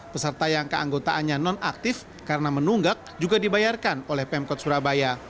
peserta yang keanggotaannya non aktif karena menunggak juga dibayarkan oleh pemkot surabaya